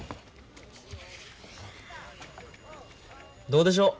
どうでしょう？